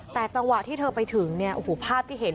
แต่จังหวะที่เธอไปถึงภาพที่เห็น